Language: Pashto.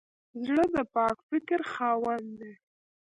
زړه د پاک فکر خاوند دی.